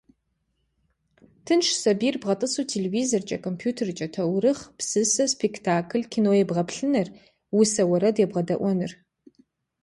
Тыншщ сабийр бгъэтӏысу телевизоркӏэ, компьютеркӏэ таурыхъ, псысэ, спектакль, кино ебгъэплъыныр, усэ, уэрэд ебгъэдэӏуэныр.